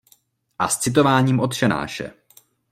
A s citováním Otčenáše.